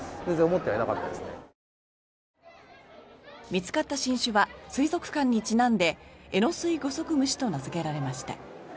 見つかった新種は水族館にちなんでエノスイグソクムシと名付けられました。